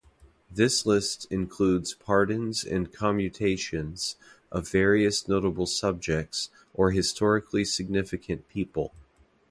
This list includes pardons and commutations of various notable subjects or historically significant people.